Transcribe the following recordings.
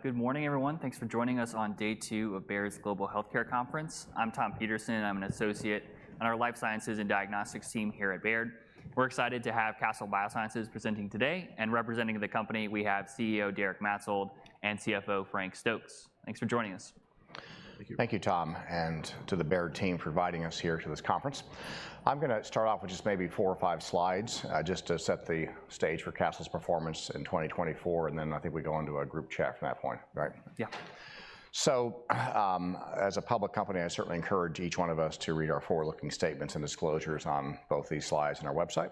Good morning, everyone. Thanks for joining us on day two of Baird's Global Healthcare Conference. I'm Tom Peterson. I'm an associate on our life sciences and diagnostics team here at Baird. We're excited to have Castle Biosciences presenting today, and representing the company, we have CEO Derek Maetzold and CFO Frank Stokes. Thanks for joining us. Thank you. Thank you, Tom, and to the Baird team for inviting us here to this conference. I'm gonna start off with just maybe four or five slides, just to set the stage for Castle's performance in 2024, and then I think we go into a group chat from that point, right? Yeah. As a public company, I certainly encourage each one of us to read our forward-looking statements and disclosures on both these slides and our website.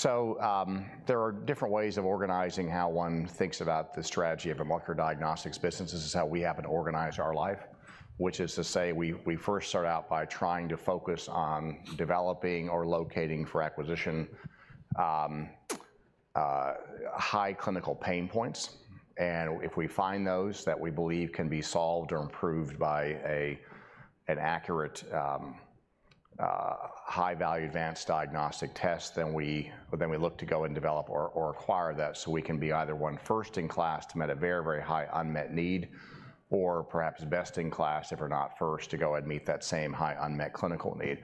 There are different ways of organizing how one thinks about the strategy of a molecular diagnostics business. This is how we happen to organize our life, which is to say, we first start out by trying to focus on developing or locating for acquisition, high clinical pain points, and if we find those that we believe can be solved or improved by an accurate, high-value advanced diagnostic test, then we look to go and develop or acquire that, so we can be either one first in class to meet a very, very high unmet need, or perhaps best in class if we're not first to go ahead and meet that same high unmet clinical need.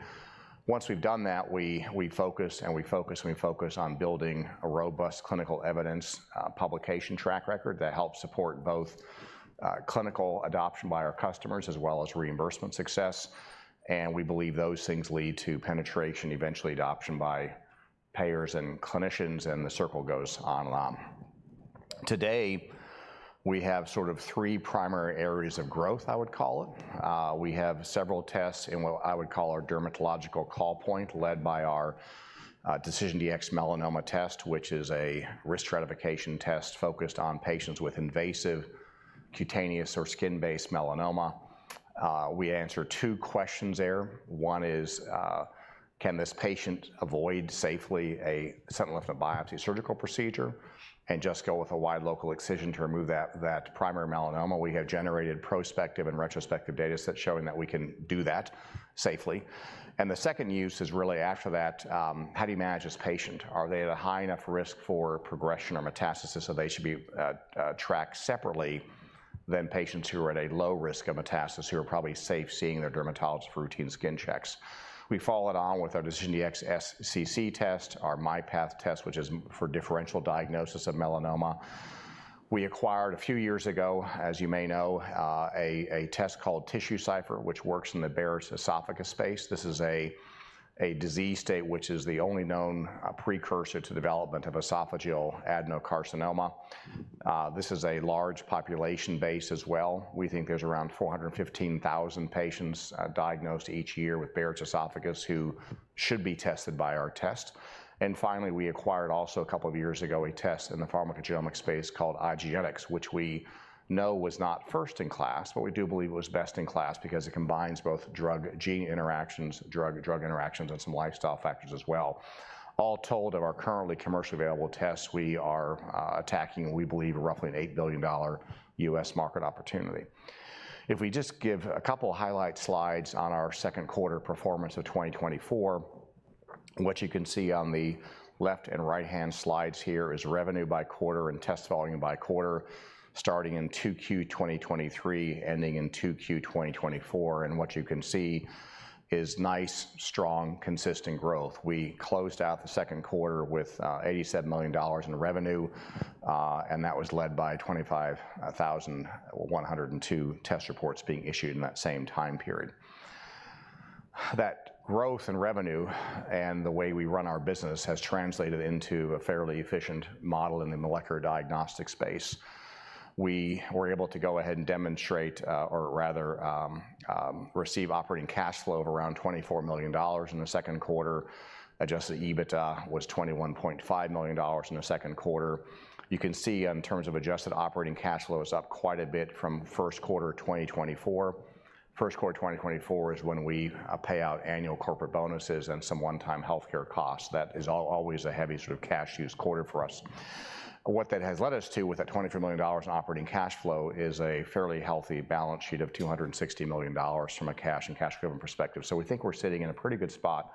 Once we've done that, we focus on building a robust clinical evidence publication track record that helps support both clinical adoption by our customers as well as reimbursement success, and we believe those things lead to penetration, eventually adoption by payers and clinicians, and the circle goes on and on. Today, we have sort of three primary areas of growth, I would call it. We have several tests in what I would call our dermatological call point, led by our DecisionDx-Melanoma test, which is a risk stratification test focused on patients with invasive cutaneous or skin-based melanoma. We answer two questions there. One is, "Can this patient avoid safely a sentinel lymph node biopsy surgical procedure and just go with a wide local excision to remove that, that primary melanoma?" We have generated prospective and retrospective data sets showing that we can do that safely. And the second use is really after that, how do you manage this patient? Are they at a high enough risk for progression or metastasis, so they should be tracked separately than patients who are at a low risk of metastasis, who are probably safe seeing their dermatologist for routine skin checks? We followed on with our DecisionDx-SCC test, our MyPath test, which is for differential diagnosis of melanoma. We acquired a few years ago, as you may know, a test called TissueCypher, which works in the Barrett's esophagus space. This is a disease state which is the only known precursor to development of esophageal adenocarcinoma. This is a large population base as well. We think there's around 415,000 patients diagnosed each year with Barrett's esophagus who should be tested by our test. And finally, we acquired also a couple of years ago, a test in the pharmacogenomic space called IDgenetix, which we know was not first in class, but we do believe it was best in class because it combines both drug-gene interactions, drug-drug interactions, and some lifestyle factors as well. All told, of our currently commercially available tests, we are attacking, we believe, roughly an $8 billion US market opportunity. If we just give a couple highlight slides on our second quarter performance of 2024, what you can see on the left and right-hand slides here is revenue by quarter and test volume by quarter, starting in 2Q 2023, ending in 2Q 2024, and what you can see is nice, strong, consistent growth. We closed out the second quarter with $87 million in revenue, and that was led by 25,102 test reports being issued in that same time period. That growth in revenue and the way we run our business has translated into a fairly efficient model in the molecular diagnostics space. We were able to go ahead and receive operating cash flow of around $24 million in the second quarter. Adjusted EBITDA was $21.5 million in the second quarter. You can see in terms of adjusted operating cash flow, it's up quite a bit from first quarter 2024. First quarter 2024 is when we pay out annual corporate bonuses and some one-time healthcare costs. That is always a heavy sort of cash use quarter for us. What that has led us to, with that $24 million in operating cash flow, is a fairly healthy balance sheet of $260 million from a cash and cash equivalent perspective. So we think we're sitting in a pretty good spot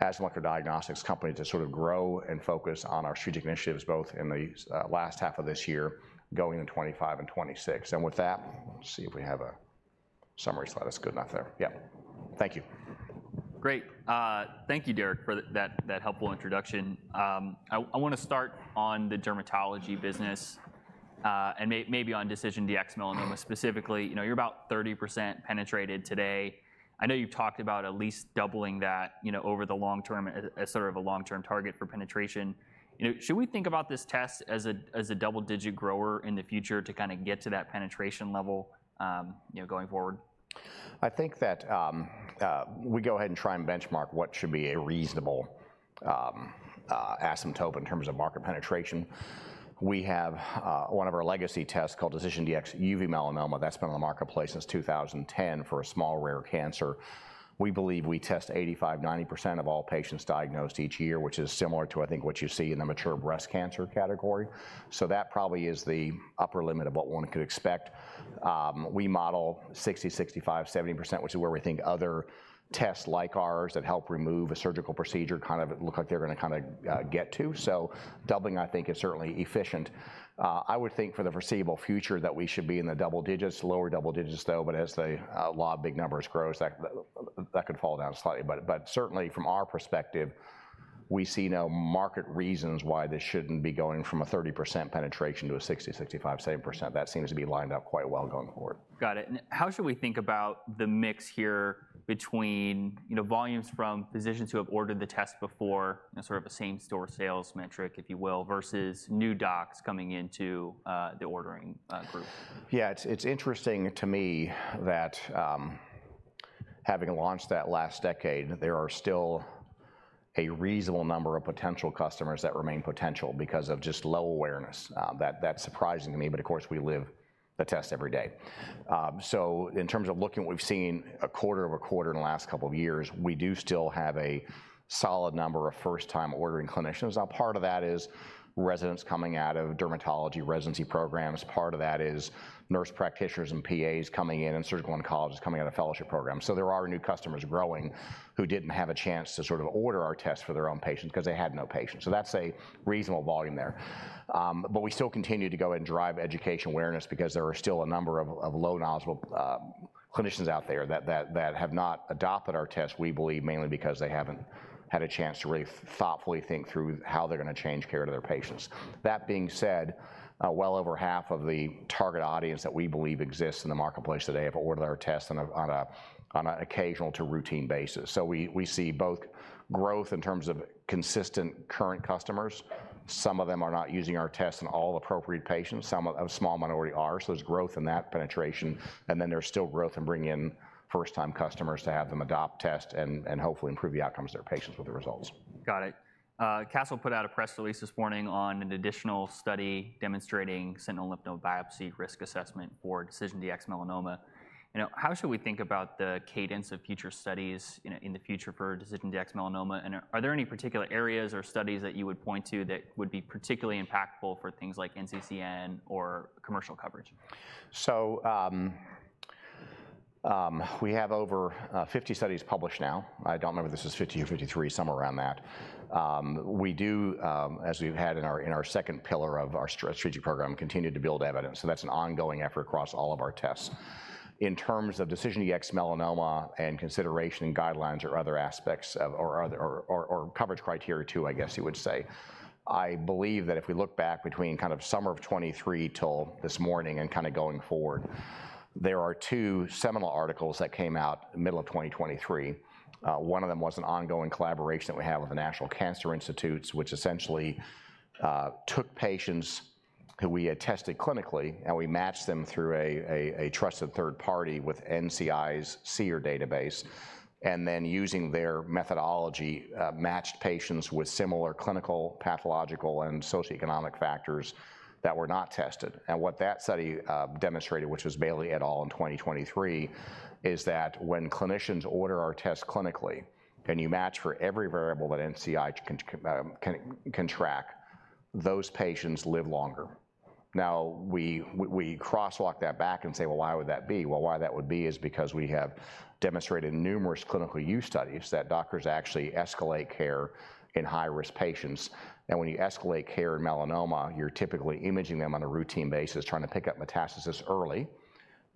as a molecular diagnostics company to sort of grow and focus on our strategic initiatives, both in the last half of this year, going into 2025 and 2026. And with that, let's see if we have a summary slide that's good enough there. Yeah. Thank you. Great. Thank you, Derek, for that helpful introduction. I want to start on the dermatology business, and maybe on DecisionDx-Melanoma specifically. You know, you're about 30% penetrated today. I know you've talked about at least doubling that, you know, over the long term as sort of a long-term target for penetration. You know, should we think about this test as a double-digit grower in the future to kind of get to that penetration level, you know, going forward? I think that we go ahead and try and benchmark what should be a reasonable asymptote in terms of market penetration. We have one of our legacy tests called DecisionDx-UM, that's been on the marketplace since 2010 for a small, rare cancer. We believe we test 85%-90% of all patients diagnosed each year, which is similar to, I think, what you see in the mature breast cancer category. So that probably is the upper limit of what one could expect. We model 60%-70%, which is where we think other tests like ours that help remove a surgical procedure kind of look like they're going to kind of get to. So doubling, I think, is certainly efficient. I would think for the foreseeable future that we should be in the double-digits, lower double-digits, though, but as the law of big numbers grows, that could fall down slightly. But certainly, from our perspective, we see no market reasons why this shouldn't be going from a 30% penetration to a 60%, 65%, 70%. That seems to be lined up quite well going forward. Got it. And how should we think about the mix here between, you know, volumes from physicians who have ordered the test before and sort of a same-store sales metric, if you will, versus new docs coming into the ordering group? Yeah, it's, it's interesting to me that, having launched that last decade, there are still a reasonable number of potential customers that remain potential because of just low awareness. That, that's surprising to me, but of course, we live the test every day. So, in terms of looking, we've seen a quarter-over-quarter in the last couple of years, we do still have a solid number of first-time ordering clinicians. Now, part of that is residents coming out of dermatology residency programs, part of that is nurse practitioners and PAs coming in and surgical oncologists coming out of fellowship programs. So there are new customers growing who didn't have a chance to sort of order our test for their own patients 'cause they had no patients. So that's a reasonable volume there. But we still continue to go and drive education awareness because there are still a number of low-knowledgeable clinicians out there that have not adopted our test, we believe, mainly because they haven't had a chance to really thoughtfully think through how they're gonna change care to their patients. That being said, well over half of the target audience that we believe exists in the marketplace today have ordered our test on an occasional to routine basis. So we see both growth in terms of consistent current customers. Some of them are not using our tests in all appropriate patients, some, a small minority are, so there's growth in that penetration, and then there's still growth in bringing in first-time customers to have them adopt test and hopefully improve the outcomes of their patients with the results. Got it. Castle put out a press release this morning on an additional study demonstrating sentinel lymph node biopsy risk assessment for DecisionDx-Melanoma. You know, how should we think about the cadence of future studies, you know, in the future for DecisionDx-Melanoma? And are there any particular areas or studies that you would point to that would be particularly impactful for things like NCCN or commercial coverage? We have over 50 studies published now. I don't remember if this is 50 or 53, somewhere around that. We do, as we've had in our second pillar of our strategic program, continue to build evidence, so that's an ongoing effort across all of our tests. In terms of DecisionDx-Melanoma and consideration and guidelines or other aspects of or coverage criteria, too, I guess you would say, I believe that if we look back between kind of summer of 2023 till this morning and kind of going forward, there are two seminal articles that came out in the middle of 2023. One of them was an ongoing collaboration that we had with the National Cancer Institute, which essentially took patients who we had tested clinically, and we matched them through a trusted third party with NCI's SEER database, and then, using their methodology, matched patients with similar clinical, pathological, and socioeconomic factors that were not tested. And what that study demonstrated, which was Bailey et al. in 2023, is that when clinicians order our test clinically, and you match for every variable that NCI can track, those patients live longer. Now, we crosswalk that back and say: Well, why would that be? Well, why that would be is because we have demonstrated in numerous clinical use studies that doctors actually escalate care in high-risk patients, and when you escalate care in melanoma, you're typically imaging them on a routine basis, trying to pick up metastasis early,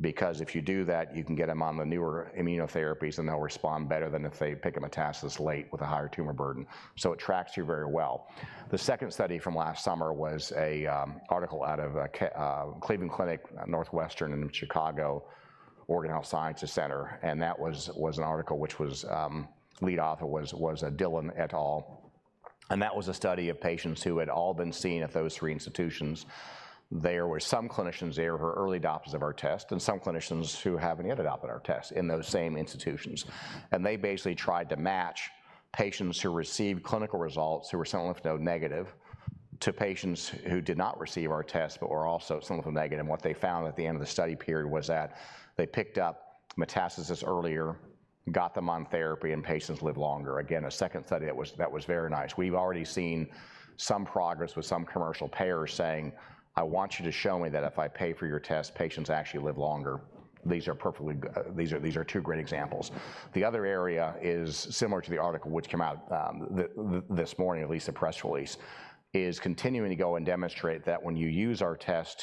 because if you do that, you can get them on the newer immunotherapies, and they'll respond better than if they pick a metastasis late with a higher tumor burden. So it tracks here very well. The second study from last summer was an article out of Cleveland Clinic, Northwestern, and the University of Chicago, and that was an article, lead author Dillon et al. And that was a study of patients who had all been seen at those three institutions. There were some clinicians there who were early adopters of our test, and some clinicians who haven't yet adopted our test in those same institutions. And they basically tried to match patients who received clinical results, who were sentinel lymph node negative, to patients who did not receive our test but were also sentinel lymph node negative. And what they found at the end of the study period was that they picked up metastasis earlier, got them on therapy, and patients lived longer. Again, a second study that was very nice. We've already seen some progress with some commercial payers saying: "I want you to show me that if I pay for your test, patients actually live longer." These are perfectly great examples. The other area is similar to the article which came out, this morning, at least the press release, is continuing to go and demonstrate that when you use our test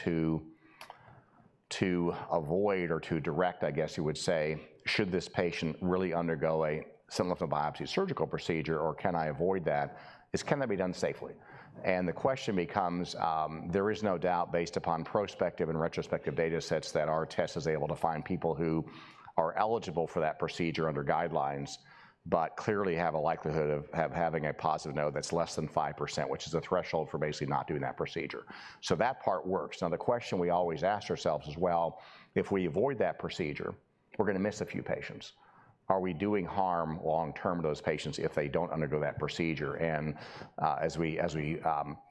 to avoid or to direct, I guess you would say, should this patient really undergo a sentinel lymph node biopsy surgical procedure, or can I avoid that, is can that be done safely? And the question becomes, there is no doubt, based upon prospective and retrospective data sets, that our test is able to find people who are eligible for that procedure under guidelines, but clearly have a likelihood of having a positive node that's less than 5%, which is a threshold for basically not doing that procedure. So that part works. Now, the question we always ask ourselves is: Well, if we avoid that procedure, we're going to miss a few patients. Are we doing harm long term to those patients if they don't undergo that procedure? And, as we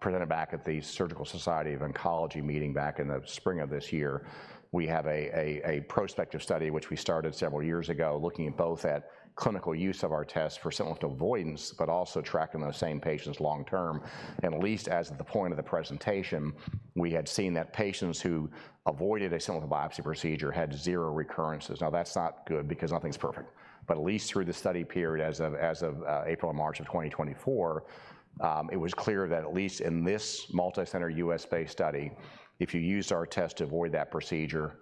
presented back at the Surgical Society of Oncology meeting back in the spring of this year, we have a prospective study, which we started several years ago, looking both at clinical use of our test for sentinel lymph node avoidance, but also tracking those same patients long term, and at least as of the point of the presentation, we had seen that patients who avoided a sentinel lymph node biopsy procedure had zero recurrences. Now, that's not good because nothing's perfect, but at least through the study period, as of April and March of 2024, it was clear that at least in this multi-center US-based study, if you use our test to avoid that procedure,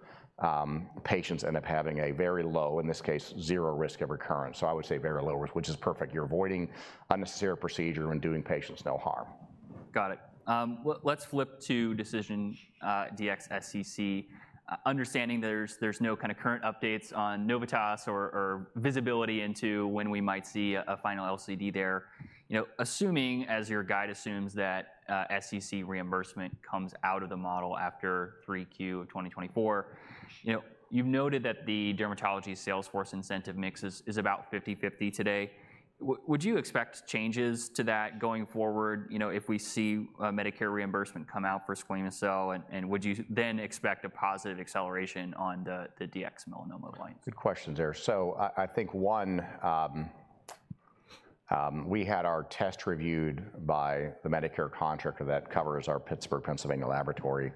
patients end up having a very low, in this case, zero risk of recurrence. So, I would say very low risk, which is perfect. You're avoiding unnecessary procedure and doing patients no harm. Got it. Let's flip to DecisionDx-SCC. Understanding there's no kind of current updates on Novitas or visibility into when we might see a final LCD there, you know, assuming, as your guide assumes, that SCC reimbursement comes out of the model after 3Q of 2024. You know, you've noted that the dermatology sales force incentive mix is about 50/50 today. Would you expect changes to that going forward, you know, if we see a Medicare reimbursement come out for squamous cell, and would you then expect a positive acceleration on the DecisionDx-Melanoma line? Good questions there, so I think one, we had our test reviewed by the Medicare contractor that covers our Pittsburgh, Pennsylvania, laboratory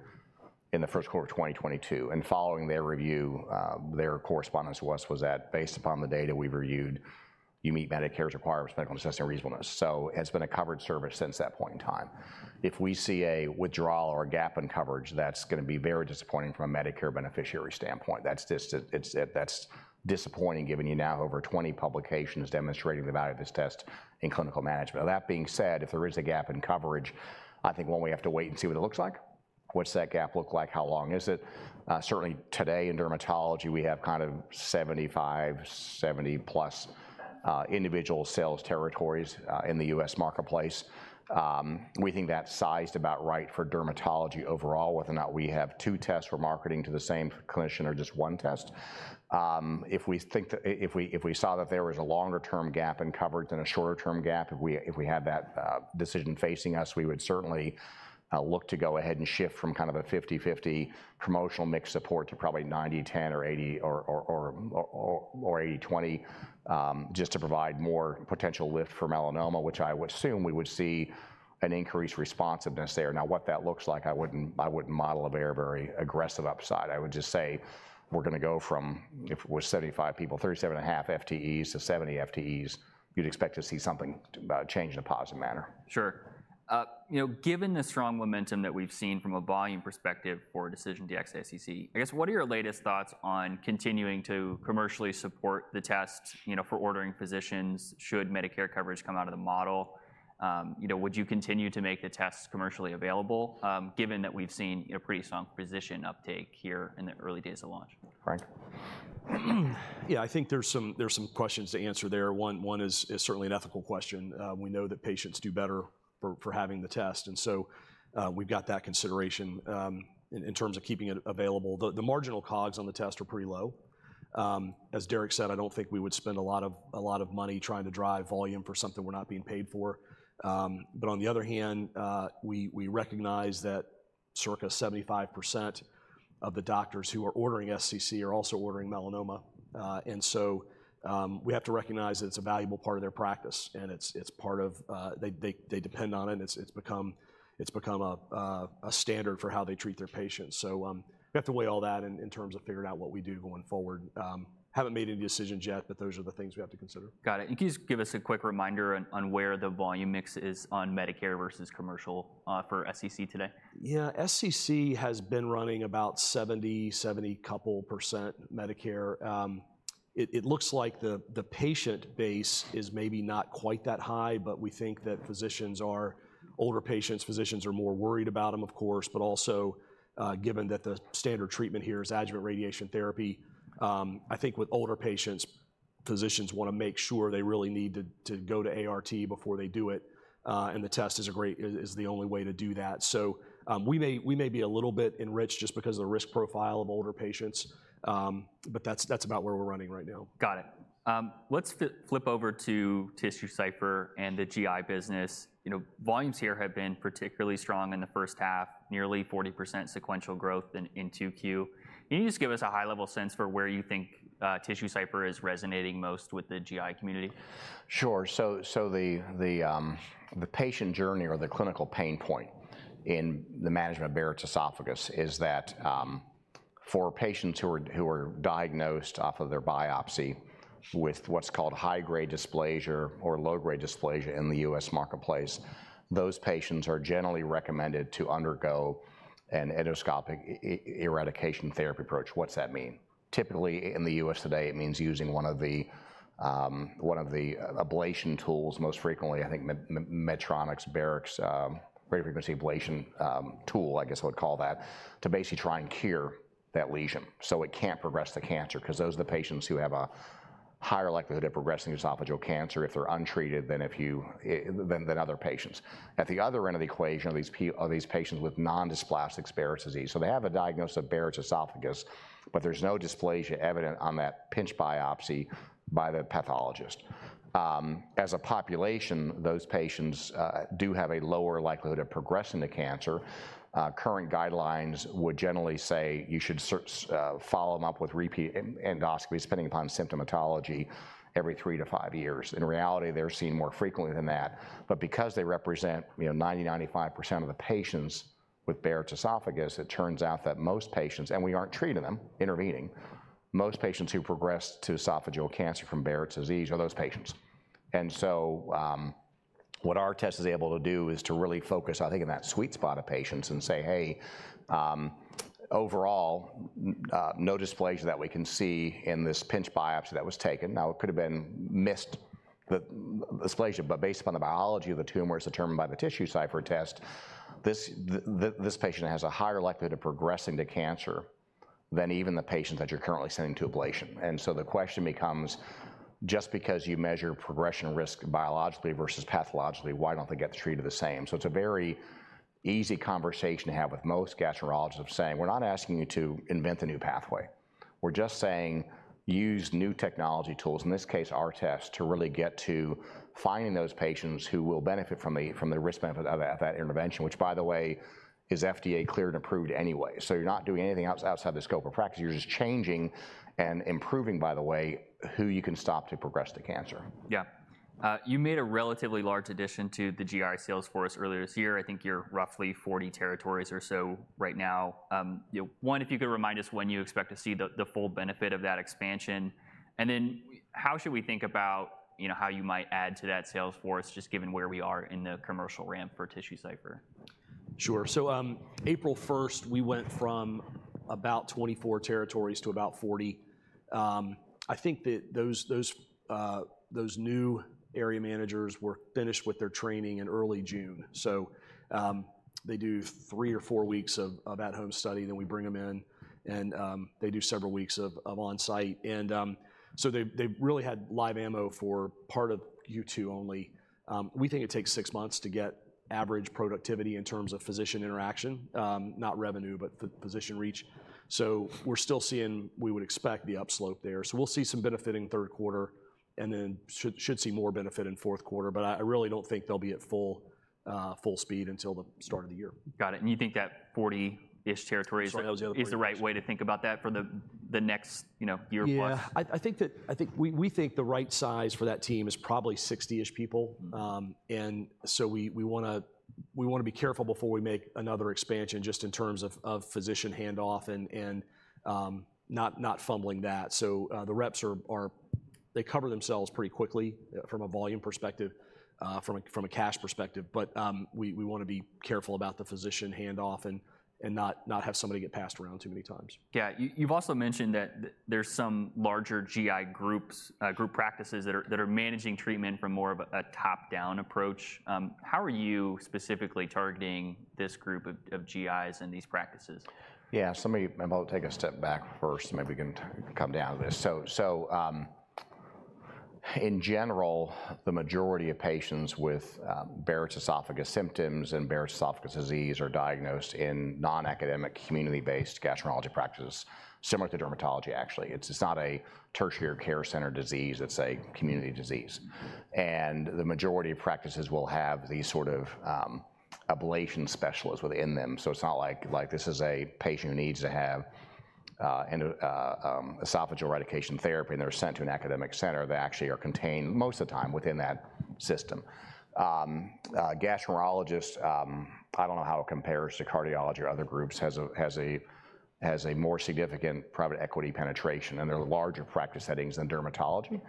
in the first quarter of 2022, and following their review, their correspondence to us was that, "Based upon the data we've reviewed, you meet Medicare's requirements for clinical necessity and reasonableness," so it's been a covered service since that point in time. If we see a withdrawal or a gap in coverage, that's gonna be very disappointing from a Medicare beneficiary standpoint. That's just it's, that's disappointing, given you now have over 20 publications demonstrating the value of this test in clinical management. That being said, if there is a gap in coverage, I think one, we have to wait and see what it looks like. What's that gap look like? How long is it? Certainly, today in dermatology, we have kind of 75, 70+ individual sales territories in the U.S. marketplace. We think that's sized about right for dermatology overall, whether or not we have two tests for marketing to the same clinician or just one test. If we saw that there was a longer-term gap in coverage than a shorter-term gap, if we had that decision facing us, we would certainly look to go ahead and shift from kind of a 50/50 promotional mix support to probably 90/10 or 80/20, just to provide more potential lift for melanoma, which I would assume we would see an increased responsiveness there. Now, what that looks like, I wouldn't model a very, very aggressive upside. I would just say we're gonna go from, if it was 75 people, 37.5 FTEs to 70 FTEs, you'd expect to see something about a change in a positive manner. Sure. You know, given the strong momentum that we've seen from a volume perspective for DecisionDx-SCC, I guess, what are your latest thoughts on continuing to commercially support the test, you know, for ordering physicians should Medicare coverage come out of the model? You know, would you continue to make the test commercially available, given that we've seen, you know, pretty strong physician uptake here in the early days of launch? Frank? Yeah, I think there's some questions to answer there. One is certainly an ethical question. We know that patients do better for having the test, and so we've got that consideration. In terms of keeping it available, the marginal COGS on the test are pretty low. As Derek said, I don't think we would spend a lot of money trying to drive volume for something we're not being paid for. But on the other hand, we recognize that circa 75% of the doctors who are ordering SCC are also ordering melanoma. And so, we have to recognize that it's a valuable part of their practice, and it's part of... They depend on it, and it's become a standard for how they treat their patients. So, we have to weigh all that in terms of figuring out what we do going forward. Haven't made any decisions yet, but those are the things we have to consider. Got it. Can you just give us a quick reminder on where the volume mix is on Medicare versus commercial for SCC today? Yeah. SCC has been running about 70%-72% Medicare. It looks like the patient base is maybe not quite that high, but we think that physicians are more worried about older patients, of course, but also, given that the standard treatment here is adjuvant radiation therapy, I think with older patients, physicians wanna make sure they really need to go to ART before they do it, and the test is the only way to do that. So, we may be a little bit enriched just because of the risk profile of older patients, but that's about where we're running right now. Got it. Let's flip over to TissueCypher and the GI business. You know, volumes here have been particularly strong in the first half, nearly 40% sequential growth in 2Q. Can you just give us a high-level sense for where you think TissueCypher is resonating most with the GI community? Sure. So, the patient journey or the clinical pain point in the management of Barrett's esophagus is that, for patients who are diagnosed off of their biopsy with what's called high-grade dysplasia or low-grade dysplasia in the US marketplace, those patients are generally recommended to undergo an endoscopic eradication therapy approach. What's that mean? Typically, in the US today, it means using one of the ablation tools, most frequently, I think, Medtronic's Barrx radiofrequency ablation tool, I guess I would call that, to basically try and cure that lesion, so it can't progress to cancer. 'Cause those are the patients who have a higher likelihood of progressing to esophageal cancer if they're untreated, than other patients. At the other end of the equation are these patients with non-dysplastic Barrett's disease. So they have a diagnosis of Barrett's esophagus, but there's no dysplasia evident on that pinch biopsy by the pathologist. As a population, those patients do have a lower likelihood of progressing to cancer. Current guidelines would generally say you should surveil, follow them up with repeat endoscopy, depending upon symptomatology, every three to five years. In reality, they're seen more frequently than that, but because they represent, you know, 90%-95% of the patients with Barrett's esophagus, it turns out that most patients who progress to esophageal cancer from Barrett's disease are those patients. And so, what our test is able to do is to really focus, I think, in that sweet spot of patients and say, "Hey, overall, no dysplasia that we can see in this pinch biopsy that was taken." Now, it could have been missed, the dysplasia, but based upon the biology of the tumor, as determined by the TissueCypher test, this patient has a higher likelihood of progressing to cancer than even the patients that you are currently sending to ablation. And so the question becomes: just because you measure progression risk biologically versus pathologically, why do not they get treated the same? So it is a very easy conversation to have with most gastroenterologists of saying, "We are not asking you to invent a new pathway. We're just saying use new technology tools," in this case, our test, "to really get to finding those patients who will benefit from the risk benefit of that intervention," which by the way, is FDA cleared and approved anyway. So you're not doing anything outside the scope of practice. You're just changing, and improving, by the way, who you can stop to progress to cancer. Yeah. You made a relatively large addition to the GI sales force earlier this year. I think you're roughly 40 territories or so right now. You know, if you could remind us when you expect to see the full benefit of that expansion, and then how should we think about, you know, how you might add to that sales force, just given where we are in the commercial ramp for TissueCypher? Sure. So, April 1st, we went from about 24 territories to about 40. I think that those new area managers were finished with their training in early June. So, they do three or four weeks of at-home study, then we bring them in, and they do several weeks of on-site. So, they really had live ammo for part of Q2 only. We think it takes six months to get average productivity in terms of physician interaction, not revenue, but physician reach. So we're still seeing, we would expect, the upslope there. So we'll see some benefit in third quarter, and then should see more benefit in fourth quarter. But I really don't think they'll be at full speed until the start of the year. Got it, and you think that 40-ish territories- Sorry, that was the other- - is the right way to think about that for the next, you know, year plus? Yeah, I think we think the right size for that team is probably 60-ish people. Mm-hmm. And so we wanna be careful before we make another expansion, just in terms of physician handoff and not fumbling that. The reps are. They cover themselves pretty quickly from a volume perspective, from a cash perspective, but we wanna be careful about the physician handoff and not have somebody get passed around too many times. Yeah. You've also mentioned that there's some larger GI groups, group practices that are managing treatment from more of a top-down approach. How are you specifically targeting this group of GIs and these practices? Yeah, so let me... I'll take a step back first, and maybe we can come down to this. So, in general, the majority of patients with Barrett's esophagus symptoms and Barrett's esophagus disease are diagnosed in non-academic, community-based gastroenterology practices, similar to dermatology actually. It's not a tertiary care center disease, it's a community disease, and the majority of practices will have these sort of ablation specialists within them. So it's not like this is a patient who needs to have endoscopic esophageal eradication therapy, and they're sent to an academic center. They actually are contained, most of the time, within that system. Gastroenterologists - I don't know how it compares to cardiology or other groups - has a more significant private equity penetration, and they're larger practice settings than dermatology.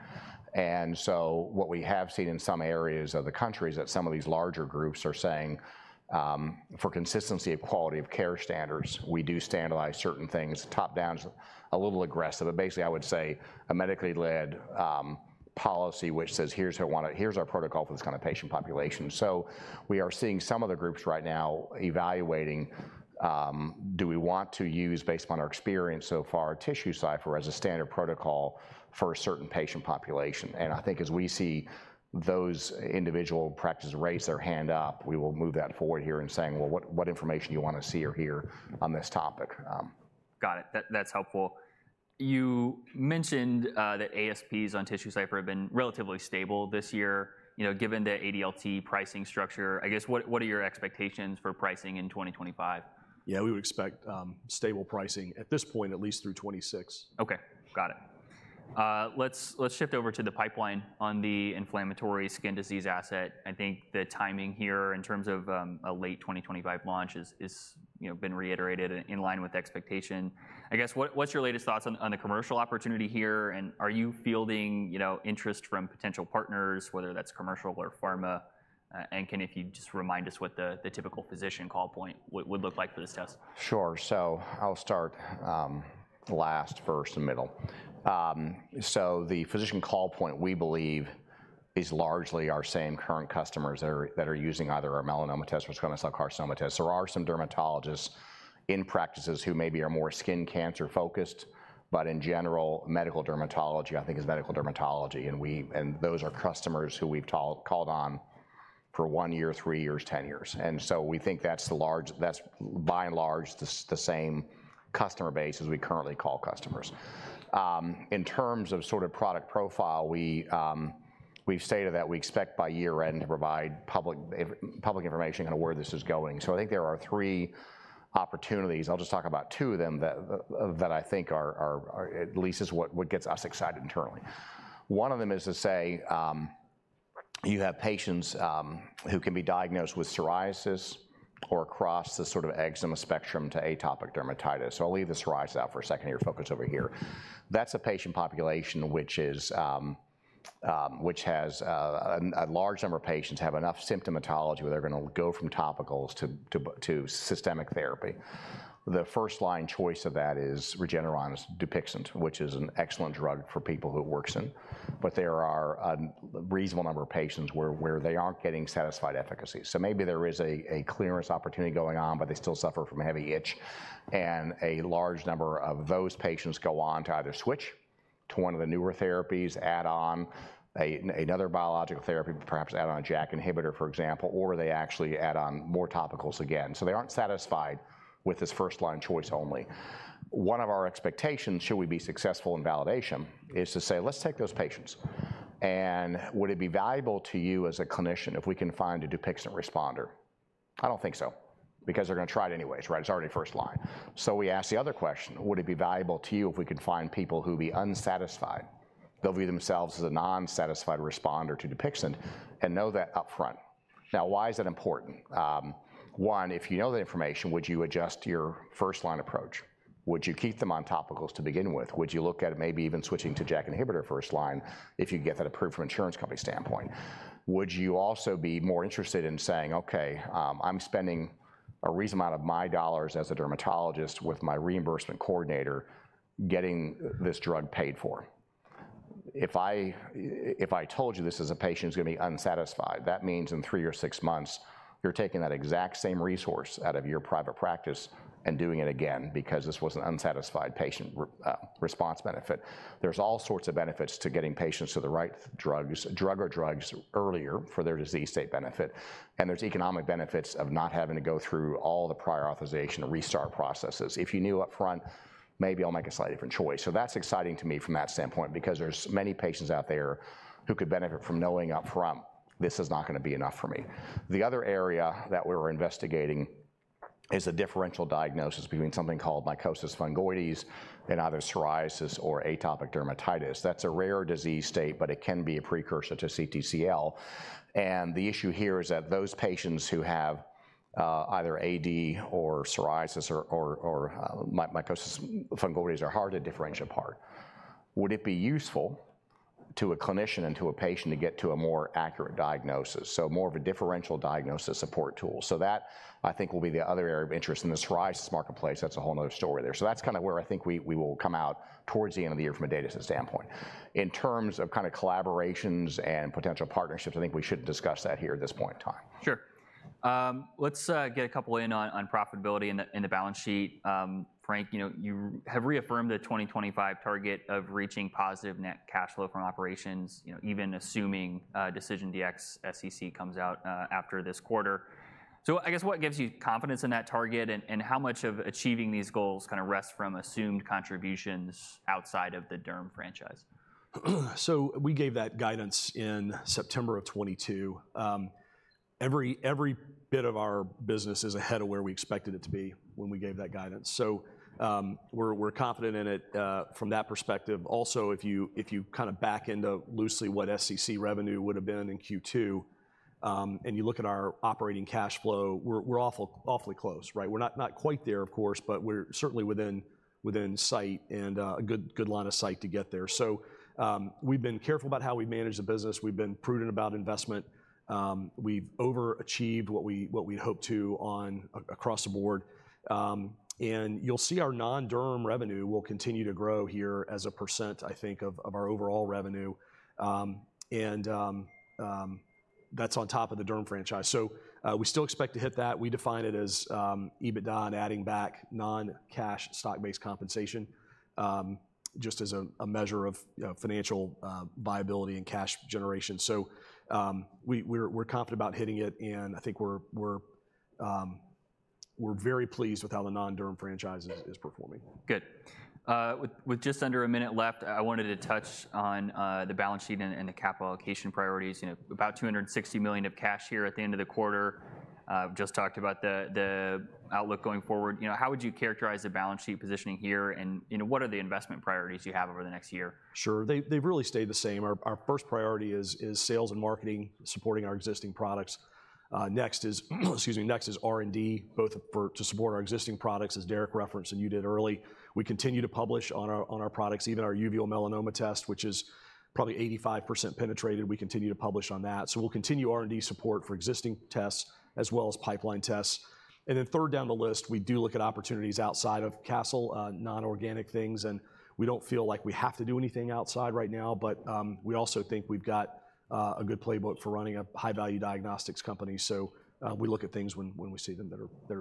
And so what we have seen in some areas of the country is that some of these larger groups are saying, "For consistency of quality of care standards, we do standardize certain things." Top-down is a little aggressive, but basically, I would say a medically led policy which says: Here's how we want to. Here's our protocol for this kind of patient population. So we are seeing some of the groups right now evaluating: Do we want to use, based upon our experience so far, TissueCypher as a standard protocol for a certain patient population? And I think as we see those individual practices raise their hand up, we will move that forward here in saying, "Well, what information do you want to see or hear on this topic? Got it. That, that's helpful. You mentioned that ASPs on TissueCypher have been relatively stable this year. You know, given the ADLT pricing structure, I guess, what are your expectations for pricing in 2025? Yeah, we would expect stable pricing at this point, at least through 2026. Okay, got it. Let's shift over to the pipeline on the inflammatory skin disease asset. I think the timing here in terms of a late 2025 launch is, you know, been reiterated and in line with expectation. I guess, what's your latest thoughts on the commercial opportunity here, and are you fielding, you know, interest from potential partners, whether that's commercial or pharma? And can you just remind us what the typical physician call point would look like for this test? Sure. So, I'll start last first and middle. So, the physician call point, we believe, is largely our same current customers that are using either our melanoma test or squamous cell carcinoma test. There are some dermatologists in practices who maybe are more skin cancer focused, but in general, medical dermatology, I think, is medical dermatology, and those are customers who we've called on for one year, three years, 10 years. And so, we think that's, by and large, the same customer base as we currently call customers. In terms of sort of product profile, we, we've stated that we expect by year-end to provide public information on where this is going. I think there are three opportunities. I'll just talk about two of them, that I think are at least what gets us excited internally. One of them is to say, you have patients who can be diagnosed with psoriasis or across the sort of eczema spectrum to atopic dermatitis. I'll leave the psoriasis out for a second here, focus over here. That's a patient population which is, which has a large number of patients who have enough symptomatology where they're gonna go from topicals to systemic therapy. The first-line choice of that is Regeneron's Dupixent, which is an excellent drug for people who it works in. But there are a reasonable number of patients where they aren't getting satisfied efficacy. So maybe there is a clearance opportunity going on, but they still suffer from heavy itch, and a large number of those patients go on to either switch to one of the newer therapies, add on another biological therapy, perhaps add on a JAK inhibitor, for example, or they actually add on more topicals again. So they aren't satisfied with this first-line choice only. One of our expectations, should we be successful in validation, is to say, "Let's take those patients, and would it be valuable to you as a clinician if we can find a Dupixent responder?" I don't think so, because they're gonna try it anyways, right? It's already first line. So, we ask the other question: Would it be valuable to you if we could find people who be unsatisfied? They'll view themselves as a non-satisfied responder to Dupixent and know that upfront. Now, why is that important? One, if you know the information, would you adjust your first-line approach? Would you keep them on topicals to begin with? Would you look at maybe even switching to JAK inhibitor first line if you could get that approved from insurance company standpoint? Would you also be more interested in saying, "Okay, I'm spending a reasonable amount of my dollars as a dermatologist with my reimbursement coordinator, getting this drug paid for"? If I told you this is a patient who's gonna be unsatisfied, that means in three or six months, you're taking that exact same resource out of your private practice and doing it again because this was an unsatisfied patient response benefit. There's all sorts of benefits to getting patients to the right drugs, drug or drugs, earlier for their disease state benefit, and there's economic benefits of not having to go through all the prior authorization and restart processes. If you knew upfront, maybe I'll make a slightly different choice, so that's exciting to me from that standpoint because there's many patients out there who could benefit from knowing upfront, "This is not gonna be enough for me." The other area that we're investigating is a differential diagnosis between something called mycosis fungoides and either psoriasis or atopic dermatitis. That's a rare disease state, but it can be a precursor to CTCL, and the issue here is that those patients who have either AD or psoriasis or mycosis fungoides are hard to differentiate apart. Would it be useful to a clinician and to a patient to get to a more accurate diagnosis? So more of a differential diagnosis support tool. So that, I think, will be the other area of interest in the psoriasis marketplace, that's a whole 'nother story there. So that's kind of where I think we will come out towards the end of the year from a data standpoint. In terms of kind of collaborations and potential partnerships, I think we shouldn't discuss that here at this point in time. Sure. Let's get a couple in on profitability and the balance sheet. Frank, you know, you have reaffirmed the 2025 target of reaching positive net cash flow from operations, you know, even assuming DecisionDx-SCC comes out after this quarter. I guess, what gives you confidence in that target, and how much of achieving these goals kind of rests from assumed contributions outside of the derm franchise? So, we gave that guidance in September 2022. Every bit of our business is ahead of where we expected it to be when we gave that guidance. So, we're confident in it from that perspective. Also, if you kind of back into loosely what SCC revenue would've been in Q2, and you look at our operating cash flow, we're awfully close, right? We're not quite there, of course, but we're certainly within sight, and a good line of sight to get there. So, we've been careful about how we manage the business. We've been prudent about investment. We've overachieved what we'd hoped to across the board. And you'll see our non-derm revenue will continue to grow here as a percent, I think, of our overall revenue. And that's on top of the derm franchise. So, we still expect to hit that. We define it as EBITDA and adding back non-cash stock-based compensation, just as a measure of, you know, financial viability and cash generation. So, we're very pleased with how the non-derm franchise is performing. Good. With just under a minute left, I wanted to touch on the balance sheet and the capital allocation priorities. You know, about $260 million of cash here at the end of the quarter. We've just talked about the outlook going forward. You know, how would you characterize the balance sheet positioning here, and you know, what are the investment priorities you have over the next year? Sure. They've really stayed the same. Our first priority is sales and marketing, supporting our existing products. Next is, excuse me, R&D to support our existing products, as Derek referenced, and you did early. We continue to publish on our products, even our uveal melanoma test, which is probably 85% penetrated. We continue to publish on that. So, we'll continue R&D support for existing tests as well as pipeline tests. Then third down the list, we do look at opportunities outside of Castle, non-organic things, and we don't feel like we have to do anything outside right now. But we also think we've got a good playbook for running a high-value diagnostics company. So we look at things when we see them that are-